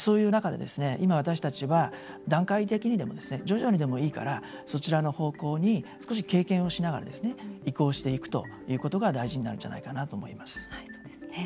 今、私たちは段階的にでも徐々にでもいいからそちらの方向に経験しながら移行していくことが大事になるんじゃないかなと思います。